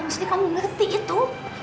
maksudnya kamu mengerti itu